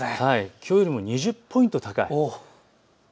きょうより２０ポイント高い。